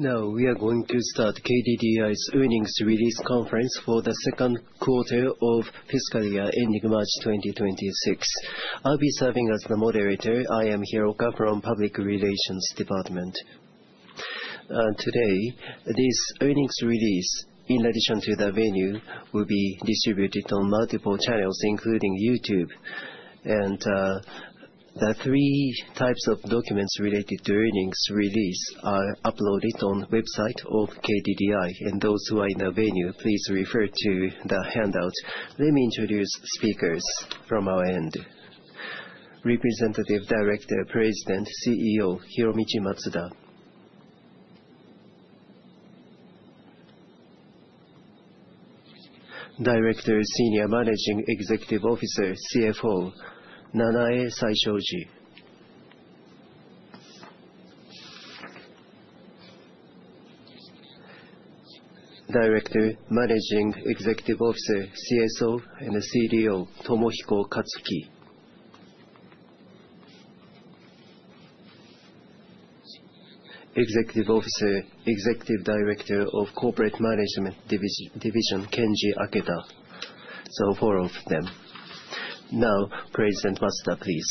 Now, we are going to start KDDI's earnings release conference for the second quarter of fiscal year ending March 2026. I'll be serving as the moderator. I am Hiraoka from the Public Relations Department. Today, this earnings release, in addition to the venue, will be distributed on multiple channels, including YouTube. the three types of documents related to earnings release are uploaded on the website of KDDI. those who are in the venue, please refer to the handout. Let me introduce speakers from our end. Representative Director, President, CEO, Hiromichi Matsuda. Director, Senior Managing Executive Officer, CFO, Nanae Saishoji. Director, Managing Executive Officer, CSO, and CDO, Tomohiko Katsuki. Executive Officer, Executive Director of Corporate Management Division, Kenji Aketa. Four of them. Now, President Hiromichi Matsuda, please.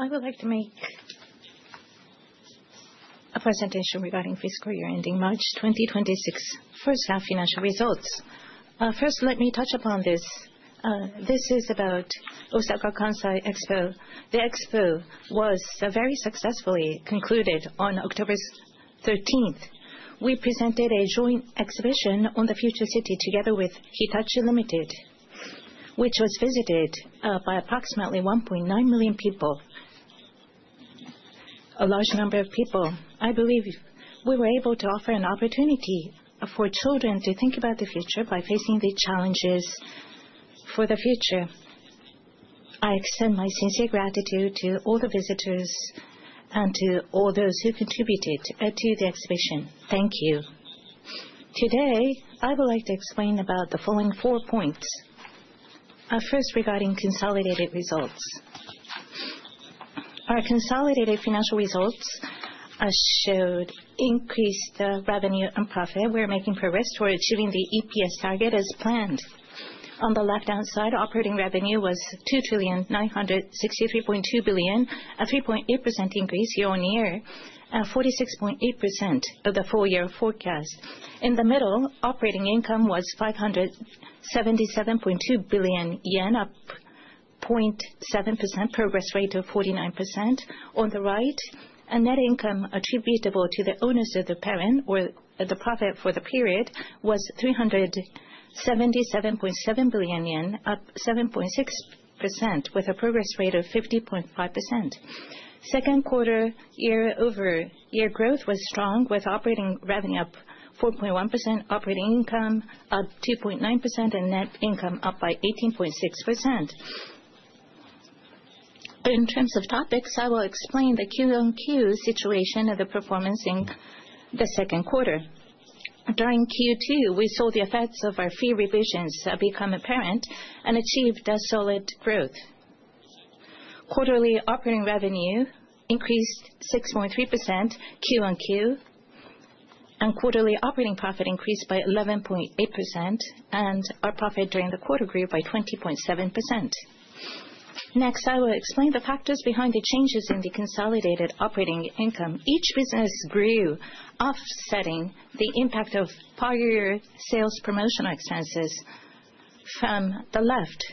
I would like to make a presentation regarding fiscal year ending March 2026, first half financial results. First, let me touch upon this. This is about Osaka Kansai Expo. The expo was very successfully concluded on October 13th. We presented a joint exhibition on the future city together with Hitachi Limited, which was visited by approximately 1.9 million people, a large number of people. I believe we were able to offer an opportunity for children to think about the future by facing the challenges for the future. I extend my sincere gratitude to all the visitors and to all those who contributed to the exhibition. Thank you. Today, I would like to explain about the following four points. First, regarding consolidated results. Our consolidated financial results showed increased revenue and profit. We're making progress toward achieving the EPS target as planned. On the left-hand side, operating revenue was 2,963.2 billion, a 3.8% increase year-on-year, 46.8% of the full-year forecast. In the middle, operating income was 577.2 billion yen, a 0.7% progress rate of 49%. On the right, net income attributable to the owners of the parent or the profit for the period was 377.7 billion yen, up 7.6%, with a progress rate of 50.5%. Second quarter year-over-year growth was strong, with operating revenue up 4.1%, operating income up 2.9%, and net income up by 18.6%. In terms of topics, I will explain the Q1Q situation of the performance in the second quarter. During Q2, we saw the effects of our fee revisions become apparent and achieved solid growth. Quarterly operating revenue increased 6.3% Q1Q, and quarterly operating profit increased by 11.8%, and our profit during the quarter grew by 20.7%. Next, I will explain the factors behind the changes in the consolidated operating income. Each business grew, offsetting the impact of prior sales promotional expenses from the left.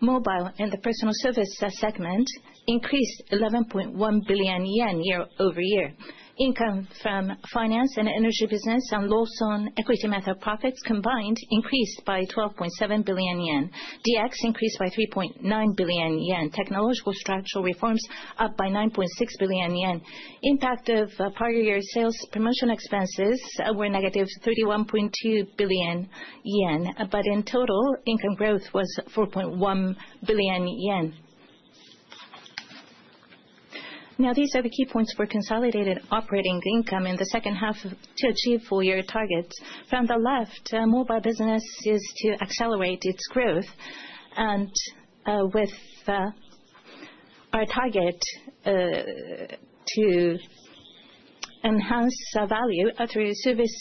Mobile and the personal service segment increased 11.1 billion yen year-over-year. Income from finance and energy business and loss on equity method profits combined increased by 12.7 billion yen. DX increased by 3.9 billion yen. Technological structural reforms up by 9.6 billion yen. Impact of prior year sales promotional expenses were negative 31.2 billion yen, but in total, income growth was 4.1 billion yen. Now, these are the key points for consolidated operating income in the second half to achieve full-year targets. From the left, mobile business is to accelerate its growth, and with our target to enhance value through service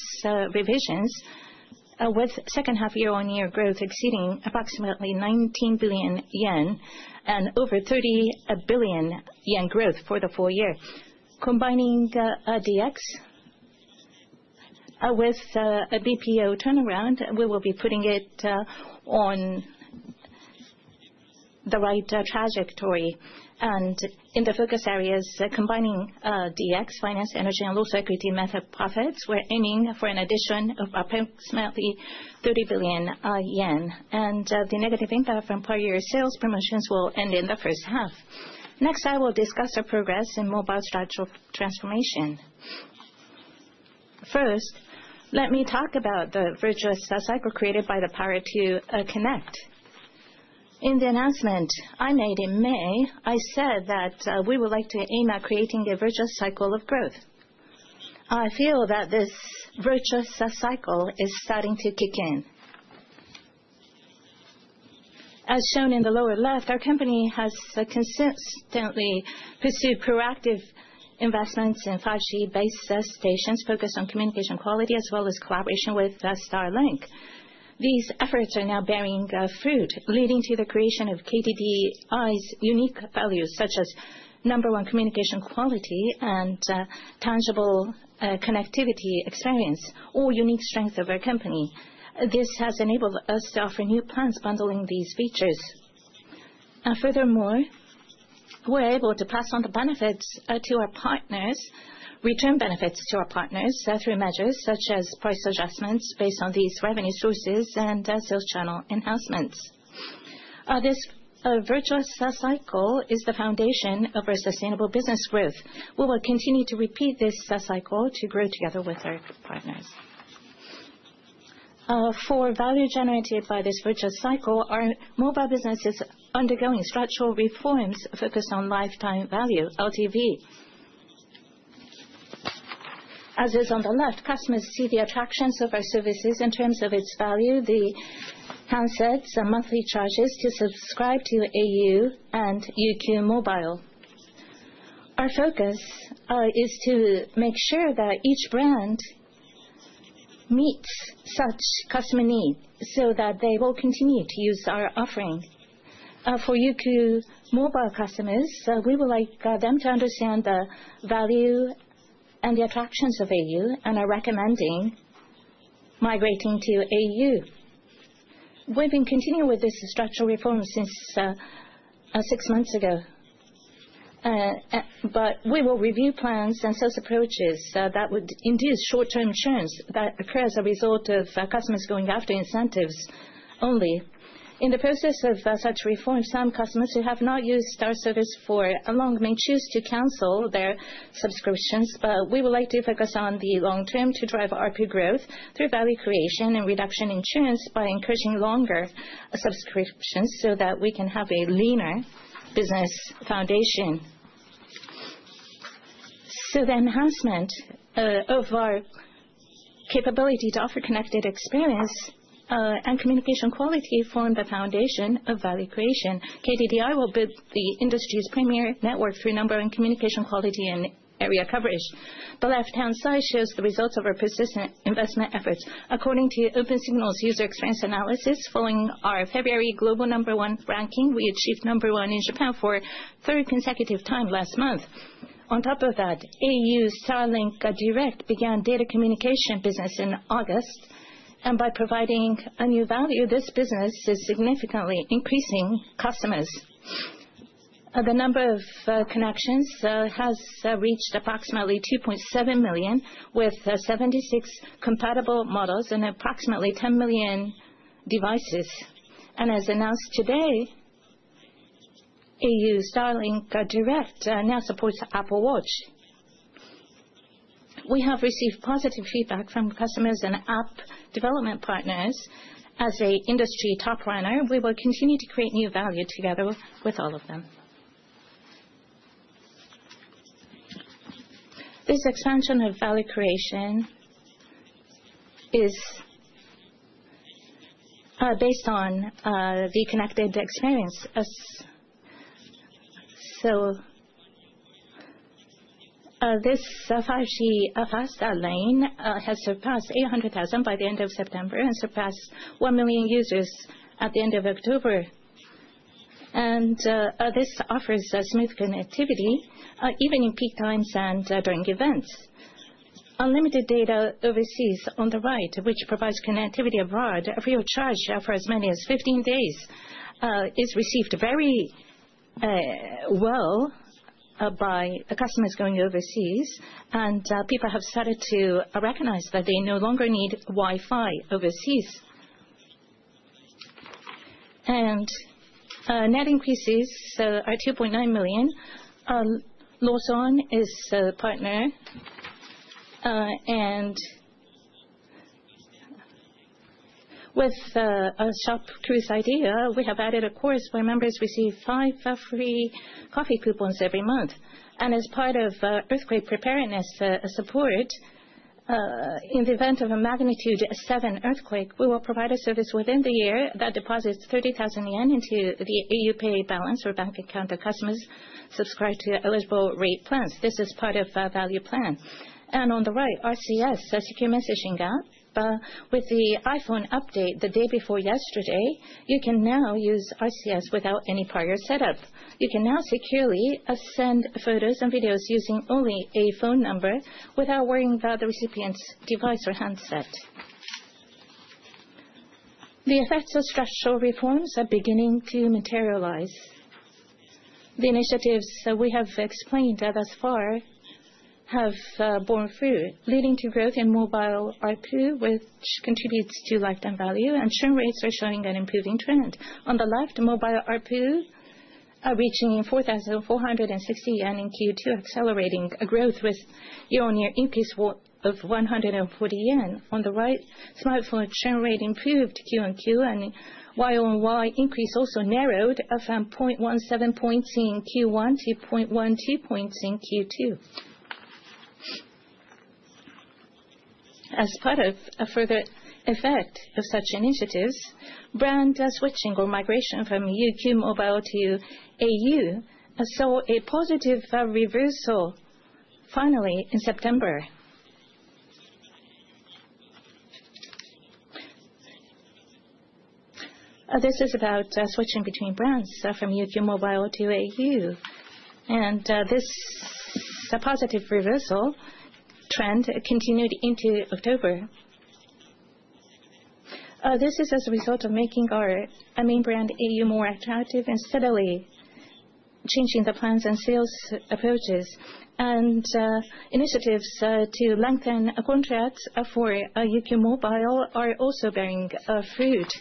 revisions, with second half year-on-year growth exceeding approximately 19 billion yen and over 30 billion yen growth for the full year. Combining DX with BPO turnaround, we will be putting it on the right trajectory. In the focus areas, combining DX, finance, energy, and lost equity method profits, we're aiming for an addition of approximately 30 billion yen. The negative impact from prior year sales promotions will end in the first half. Next, I will discuss our progress in mobile structural transformation. First, let me talk about the virtual cycle created by the power to connect. In the announcement I made in May, I said that we would like to aim at creating a virtual cycle of growth. I feel that this virtual cycle is starting to kick in. As shown in the lower left, our company has consistently pursued proactive investments in 5G base stations focused on communication quality, as well as collaboration with Starlink. These efforts are now bearing fruit, leading to the creation of KDDI's unique values, such as number one communication quality and tangible connectivity experience, all unique strengths of our company. This has enabled us to offer new plans bundling these features. Furthermore, we're able to pass on the benefits to our partners, return benefits to our partners through measures such as price adjustments based on these revenue sources and sales channel enhancements. This virtuous cycle is the foundation of our sustainable business growth. We will continue to repeat this cycle to grow together with our partners. For value generated by this virtuous cycle, our mobile business is undergoing structural reforms focused on lifetime value, LTV. As is on the left, customers see the attractions of our services in terms of its value, the handsets, and monthly charges to subscribe to au and UQ Mobile. Our focus is to make sure that each brand meets such customer needs so that they will continue to use our offering. For UQ Mobile customers, we would like them to understand the value and the attractions of au and are recommending migrating to au. We've been continuing with this structural reform since six months ago, but we will review plans and sales approaches that would induce short-term churns that occur as a result of customers going after incentives only. In the process of such reforms, some customers who have not used our service for a long time may choose to cancel their subscriptions, but we would like to focus on the long term to drive our growth through value creation and reduction in churns by encouraging longer subscriptions so that we can have a leaner business foundation. The enhancement of our capability to offer connected experience and communication quality formed the foundation of value creation. KDDI will build the industry's premier network through number one communication quality and area coverage. The left-hand side shows the results of our persistent investment efforts. According to Opensignal's user experience analysis, following our February global number one ranking, we achieved number one in Japan for the third consecutive time last month. On top of that, au Starlink Direct began data communication business in August, and by providing a new value, this business is significantly increasing customers. The number of connections has reached approximately 2.7 million, with 76 compatible models and approximately 10 million devices. As announced today, au Starlink Direct now supports Apple Watch. We have received positive feedback from customers and app development partners. As an industry top runner, we will continue to create new value together with all of them. This expansion of value creation is based on the connected experience. This Starlink has surpassed 800,000 by the end of September and surpassed one million users at the end of October. this offers smooth connectivity even in peak times and during events. Unlimited data overseas on the right, which provides connectivity abroad free of charge for as many as 15 days, is received very well by customers going overseas, and people have started to recognize that they no longer need Wi-Fi overseas. Net increases are 2.9 million. Lawson is a partner. With the Shop Cruise ID, we have added a course where members receive five free coffee coupons every month. As part of earthquake preparedness support, in the event of a magnitude 7 earthquake, we will provide a service within the year that deposits 30,000 yen into the au PAY balance or bank account of customers subscribed to eligible rate plans. This is part of value plan. On the right, RCS, a secure messaging app. With the iPhone update the day before yesterday, you can now use RCS without any prior setup. You can now securely send photos and videos using only a phone number without worrying about the recipient's device or handset. The effects of structural reforms are beginning to materialize. The initiatives we have explained thus far have borne fruit, leading to growth in mobile ARPU, which contributes to lifetime value, and churn rates are showing an improving trend. On the left, mobile ARPU are reaching 4,460 yen in Q2, accelerating growth with year-on-year increase of 140 yen. On the right, smartphone churn rate improved QoQ, and year-on-year increase also narrowed from 0.17 points in Q1 to 0.12 points in Q2. As part of a further effect of such initiatives, brand switching or migration from UQ Mobile to au saw a positive reversal finally in September. This is about switching between brands from UQ Mobile to au. And this positive reversal trend continued into October. This is as a result of making our main brand au more attractive and steadily changing the plans and sales approaches. And initiatives to lengthen contracts for UQ Mobile are also bearing fruit.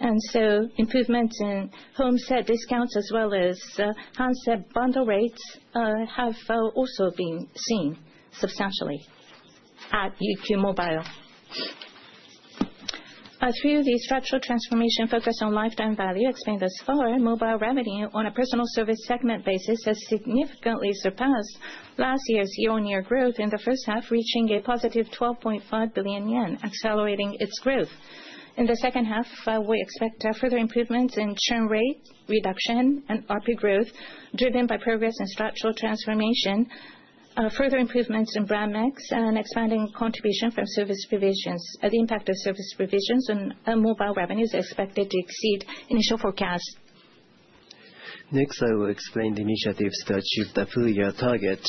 Improvements in home set discounts as well as handset bundle rates have also been seen substantially at UQ Mobile. Through the structural transformation focused on lifetime value explained thus far, mobile revenue on a personal service segment basis has significantly surpassed last year's year-on-year growth in the first half, reaching a positive 12.5 billion yen, accelerating its growth. In the second half, we expect further improvements in churn rate, reduction, and ARPU growth driven by progress and structural transformation. Further improvements in brand mix and expanding contribution from service provisions. The impact of service provisions on mobile revenues is expected to exceed initial forecast. Next, I will explain the initiatives to achieve the full-year target.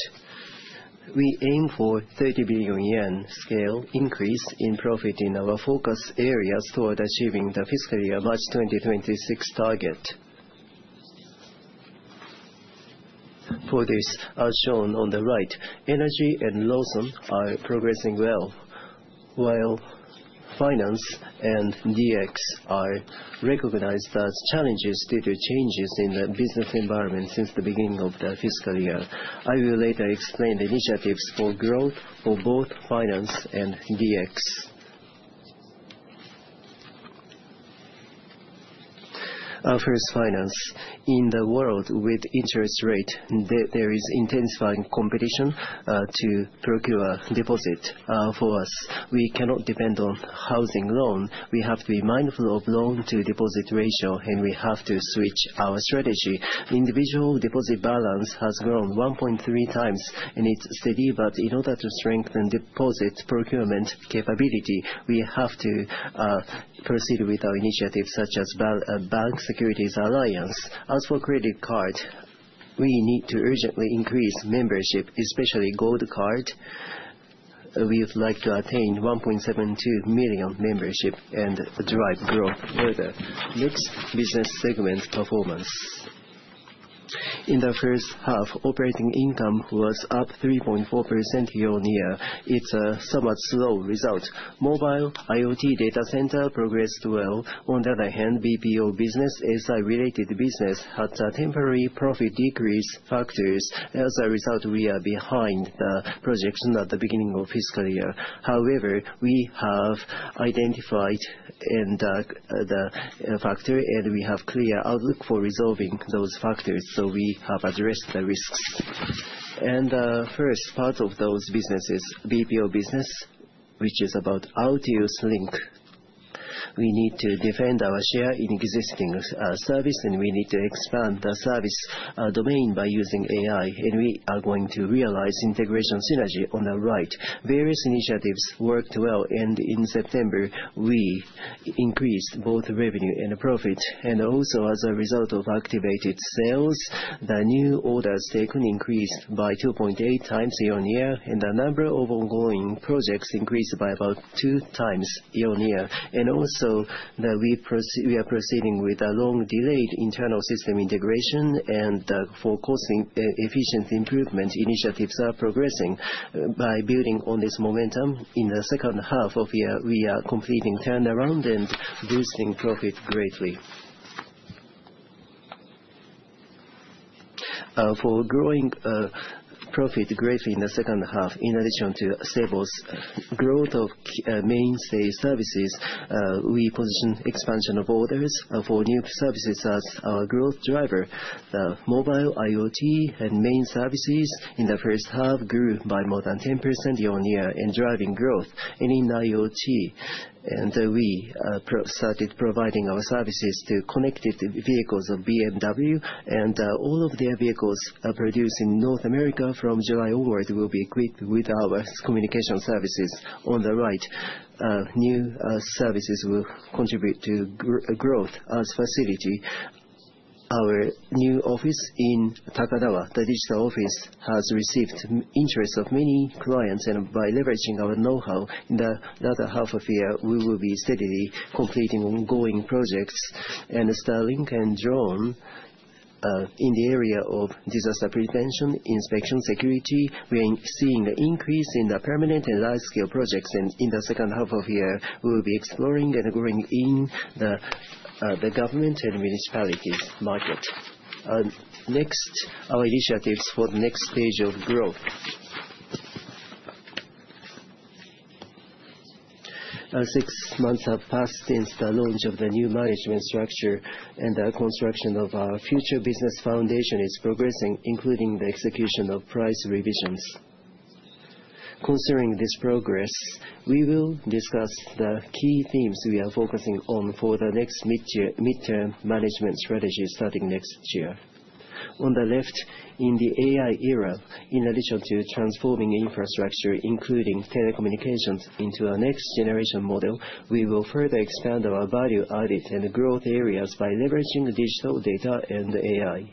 We aim for 30 billion yen scale increase in profit in our focus areas toward achieving the fiscal year March 2026 target. For this, as shown on the right, energy and Lawson are progressing well, while finance and DX are recognized as challenges due to changes in the business environment since the beginning of the fiscal year. I will later explain the initiatives for growth for both finance and DX. First, finance. In the world with interest rate, there is intensifying competition to procure deposit for us. We cannot depend on housing loan. We have to be mindful of loan-to-deposit ratio, and we have to switch our strategy. Individual deposit balance has grown 1.3 times, and it's steady. But in order to strengthen deposit procurement capability, we have to proceed with our initiatives such as Bank Securities Alliance. As for credit card, we need to urgently increase membership, especially Gold Card. We would like to attain 1.72 million membership and drive growth further. Next, business segment performance. In the first half, operating income was up 3.4% year-on-year. It's a somewhat slow result. Mobile, IoT, data center progressed well. On the other hand, BPO business, ASI-related business, had temporary profit decrease factors. As a result, we are behind the projection at the beginning of fiscal year. However, we have identified the factor, and we have a clear outlook for resolving those factors. We have addressed the risks. The first part of those businesses, BPO business, which is about Altius Link. We need to defend our share in existing service, and we need to expand the service domain by using AI. We are going to realize integration synergy on the right. Various initiatives worked well, and in September, we increased both revenue and profit. As a result of activated sales, the new orders taken increased by 2.8 times year-on-year, and the number of ongoing projects increased by about two times year-on-year. We are proceeding with a long-delayed internal system integration, and for cost efficiency improvement, initiatives are progressing. By building on this momentum in the second half of year, we are completing turnaround and boosting profit greatly. For growing profit greatly in the second half, in addition to stable growth of mainstay services, we position expansion of orders for new services as our growth driver. The mobile IoT and main services in the first half grew by more than 10% year-on-year and driving growth in IoT. We started providing our services to connected vehicles of BMW, and all of their vehicles produced in North America from July onward will be equipped with our communication services. On the right, new services will contribute to growth as facility. Our new office in Takeshiba, the digital office, has received interest of many clients, and by leveraging our know-how in the latter half of year, we will be steadily completing ongoing projects, and Starlink and drone in the area of disaster prevention, inspection, security, we are seeing an increase in the permanent and large-scale projects, and in the second half of year, we will be exploring and growing in the government and municipalities market. Next, our initiatives for the next stage of growth. Six months have passed since the launch of the new management structure, and the construction of our future business foundation is progressing, including the execution of price revisions. Concerning this progress, we will discuss the key themes we are focusing on for the next mid-term management strategy starting next year. On the left, in the AI era, in addition to transforming infrastructure, including telecommunications, into our next generation model, we will further expand our value added and growth areas by leveraging digital data and AI.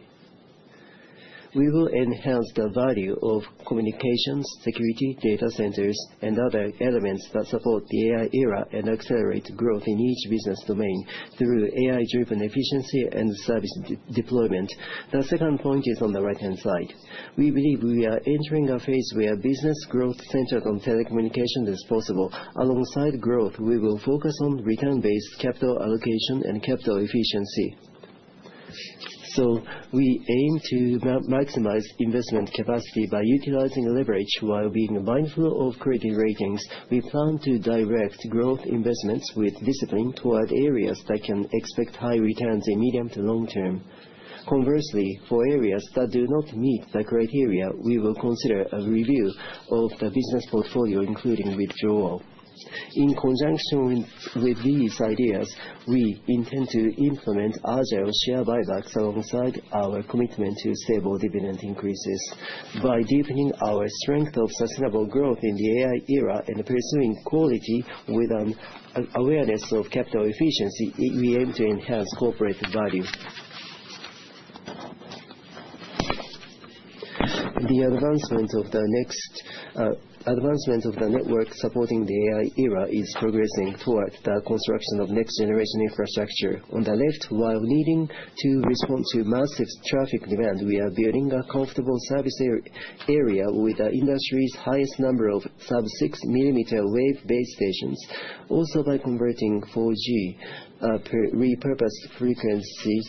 We will enhance the value of communications, security, data centers, and other elements that support the AI era and accelerate growth in each business domain through AI-driven efficiency and service deployment. The second point is on the right-hand side. We believe we are entering a phase where business growth centered on telecommunications is possible. Alongside growth, we will focus on return-based capital allocation and capital efficiency. We aim to maximize investment capacity by utilizing leverage while being mindful of credit ratings. We plan to direct growth investments with discipline toward areas that can expect high returns in medium- to long-term. Conversely, for areas that do not meet the criteria, we will consider a review of the business portfolio, including withdrawal. In conjunction with these ideas, we intend to implement agile share buybacks alongside our commitment to stable dividend increases. By deepening our strength of sustainable growth in the AI era and pursuing quality with an awareness of capital efficiency, we aim to enhance corporate value. The advancement of the network supporting the AI era is progressing toward the construction of next-generation infrastructure. On the left, while needing to respond to massive traffic demand, we are building a comfortable service area with the industry's highest number of Sub-6 millimeter wave-based stations. Also, by converting 4G repurposed frequencies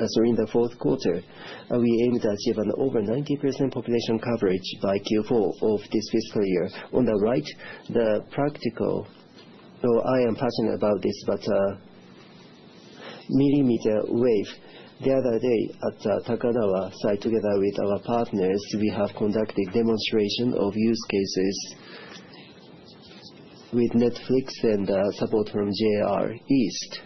in the fourth quarter, we aim to achieve an over 90% population coverage by Q4 of this fiscal year. On the right, the practical. I am passionate about this, but millimeter wave. The other day, at the Takanawa site, together with our partners, we have conducted demonstrations of use cases with Netflix and support from JR East.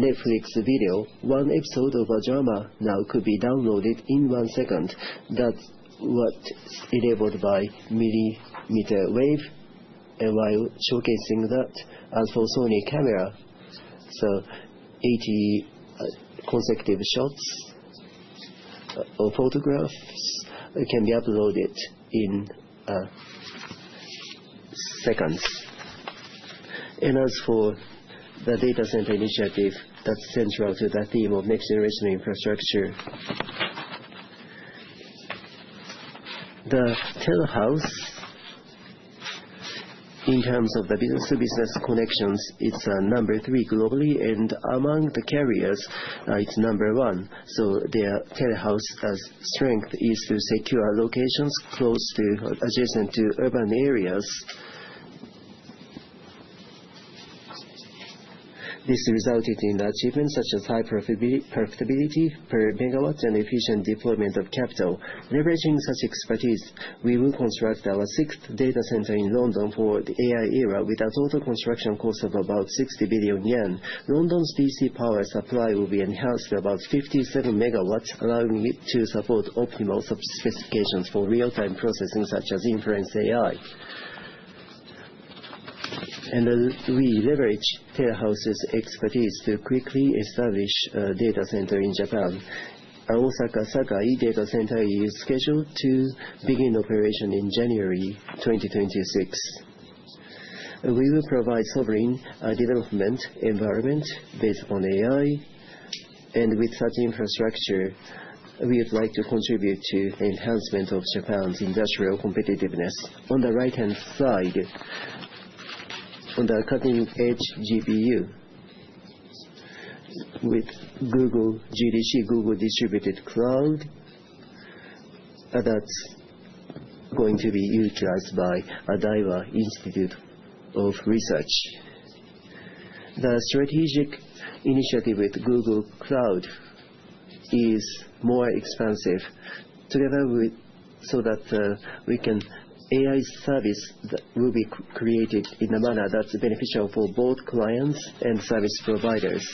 Netflix video, one episode of a drama now could be downloaded in one second. That's what's enabled by millimeter wave, while showcasing that as for Sony camera. 80 consecutive shots or photographs can be uploaded in seconds. As for the data center initiative, that's central to the theme of next-generation infrastructure. The Telehouse, in terms of the business-to-business connections, it's number three globally, and among the carriers, it's number one. Their Telehouse strength is to secure locations close to adjacent to urban areas. This resulted in achievements such as high profitability per megawatt and efficient deployment of capital. Leveraging such expertise, we will construct our sixth data center in London for the AI era with a total construction cost of about 60 billion yen. London's DC power supply will be enhanced to about 57 megawatts, allowing it to support optimal specifications for real-time processing such as inference AI, and we leverage Telehouse's expertise to quickly establish a data center in Japan. Our Takasaki data center is scheduled to begin operation in January 2026. We will provide sovereign development environment based on AI, and with such infrastructure, we would like to contribute to the enhancement of Japan's industrial competitiveness. On the right-hand side, on the cutting-edge GPU with GDC Google Distributed Cloud, that's going to be utilized by Daiwa Institute of Research. The strategic initiative with Google Cloud is more expansive so that our AI service will be created in a manner that's beneficial for both clients and service providers.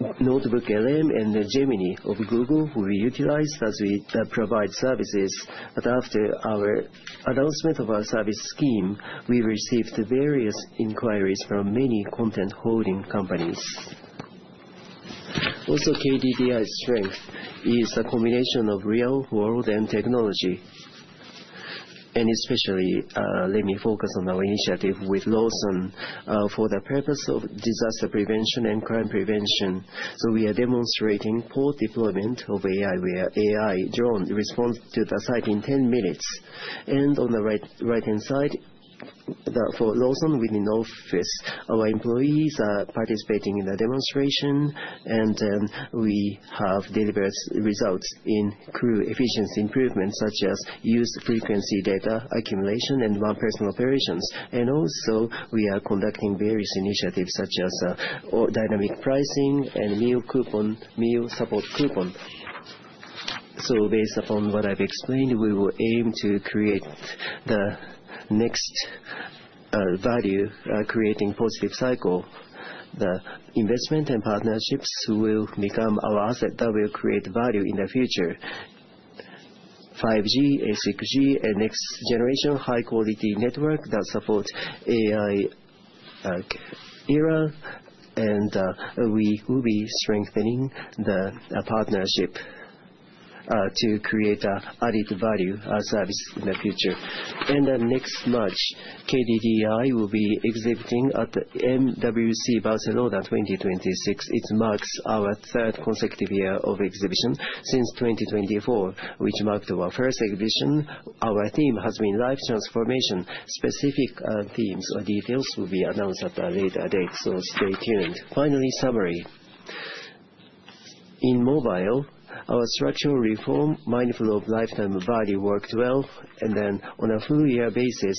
NotebookLM and Gemini of Google will be utilized as we provide services. But after our announcement of our service scheme, we received various inquiries from many content holding companies. Also, KDDI's strength is a combination of real-world and technology. Especially, let me focus on our initiative with Lawson for the purpose of disaster prevention and crime prevention. We are demonstrating our deployment of AI, where AI drone responds to the site in 10 minutes. On the right-hand side, for Lawson within office, our employees are participating in the demonstration, and we have delivered results in crew efficiency improvements such as use frequency data accumulation and one-person operations. We are also conducting various initiatives such as dynamic pricing and meal support coupon. Based upon what I've explained, we will aim to create the next value, creating a positive cycle. The investment and partnerships will become our asset that will create value in the future. 5G, 6G, and next-generation high-quality network that supports the AI era. We will be strengthening the partnership to create added value service in the future. Next March, KDDI will be exhibiting at MWC Barcelona 2026. It marks our third consecutive year of exhibition since 2024, which marked our first exhibition. Our theme has been life transformation. Specific themes or details will be announced at a later date. Stay tuned. Finally, summary. In mobile, our structural reform, mindful of lifetime value, worked well. Then, on a full-year basis,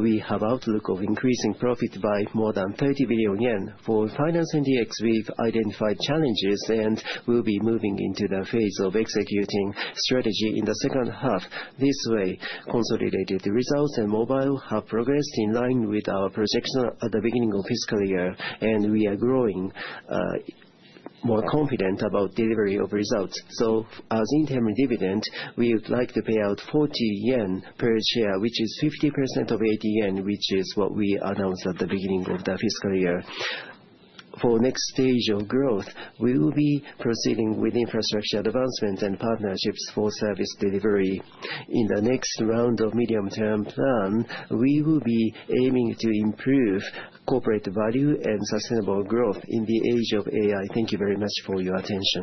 we have an outlook of increasing profit by more than 30 billion yen. For finance and DX, we've identified challenges and will be moving into the phase of executing strategy in the second half. This way, consolidated results and mobile have progressed in line with our projection at the beginning of fiscal year. We are growing more confident about the delivery of results. As in terms of dividend, we would like to pay out 40 yen per share, which is 50% of 80 yen, which is what we announced at the beginning of the fiscal year. For the next stage of growth, we will be proceeding with infrastructure advancements and partnerships for service delivery. In the next round of medium-term plan, we will be aiming to improve corporate value and sustainable growth in the age of AI. Thank you very much for your attention.